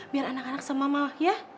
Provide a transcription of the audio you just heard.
biar anak anak sama mama ya